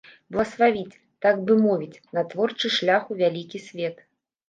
Блаславіць, так бы мовіць, на творчы шлях у вялікі свет.